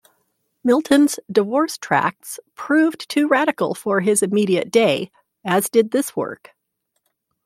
Milton's divorce tracts proved too radical for his immediate day, as did this work.